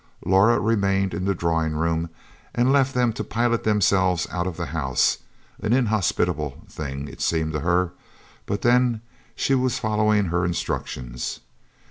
Laura remained in the drawing room and left them to pilot themselves out of the house an inhospitable thing, it seemed to her, but then she was following her instructions.